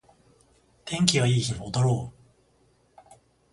天気がいい日に踊ろう